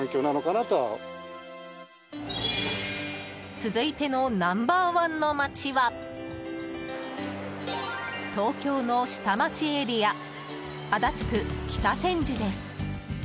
続いてのナンバー１の街は東京の下町エリア足立区・北千住です。